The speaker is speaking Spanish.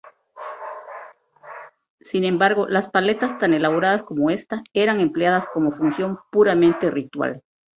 Sin embargo, las paletas tan elaboradas como esta, eran empleadas como función puramente ritual.